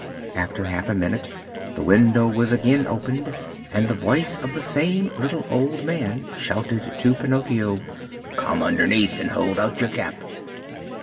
After half a minute the window was again opened and the voice of the same little old man shouted to Pinocchio: "Come underneath and hold out your cap."